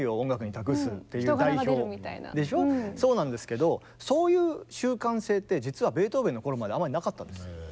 そうなんですけどそういう習慣性って実はベートーベンの頃まであまりなかったんです。